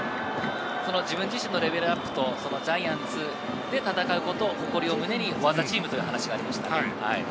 自分自身のレベルアップと、ジャイアンツで戦うことを誇りを胸にフォア・ザ・チームという話がありました。